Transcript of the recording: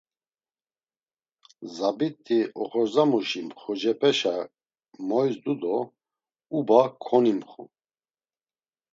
Zabit̆i, oxorzamuşi mxucepeşa moyzdu do uba konimxu.